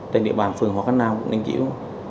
trên địa bàn phường hòa khánh nam quận ninh kiều